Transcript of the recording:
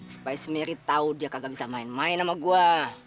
supaya si merry tau dia kagak bisa main main sama gua